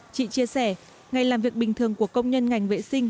chị chia sẻ ngày làm việc bình thường của công nhân ngành vệ sinh